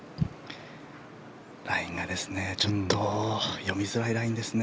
ラインがちょっと読みづらいラインですね